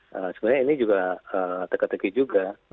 sebenarnya ini juga teka teki juga